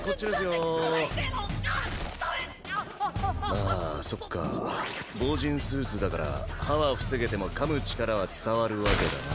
ああそっか防刃スーツだから歯は防げてもかむ力は伝わるわけだな。